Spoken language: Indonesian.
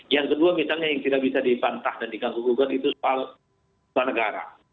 yang kedua misalnya yang tidak bisa dibantah dan diganggu gugat itu soal negara